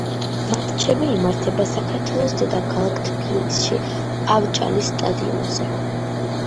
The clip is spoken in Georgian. მატჩები იმართება საქართველოს დედაქალაქ თბილისში, ავჭალის სტადიონზე.